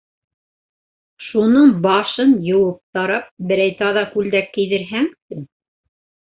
Шуның башын йыуып тарап, берәй таҙа күлдәк кейҙерһәңсе!